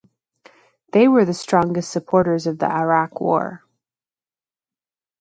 They were the strongest supporters of the Iraq War.